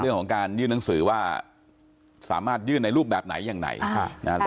เรื่องของการยื่นหนังสือว่าสามารถยื่นในรูปแบบไหนอย่างไหน